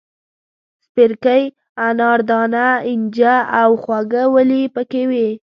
سپیرکۍ، اناردانه، اینجه او خواږه ولي پکې وې.